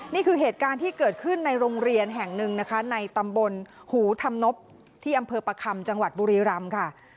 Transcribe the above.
นี่คือเหตุการณ์ที่เกิดขึ้นในโรงเรียนแห่งหนึ่งนะคะในตำบลหูธรรมนบที่อำเภอประคำจังหวัดบุรีรำค่ะ